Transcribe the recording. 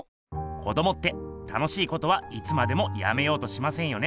子どもって楽しいことはいつまでもやめようとしませんよね。